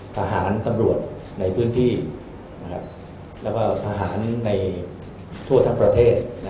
ทหารตำรวจในพื้นที่แล้วก็ทหารในทั่วทั้งประเทศ